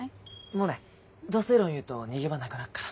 モネド正論言うと逃げ場なくなっから。